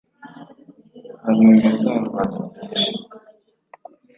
banyunyuza rubanda nyamwinshi